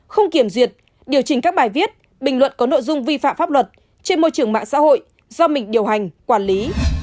không kiểm duyệt điều chỉnh các bài viết bình luận có nội dung vi phạm pháp luật trên môi trường mạng xã hội do mình điều hành quản lý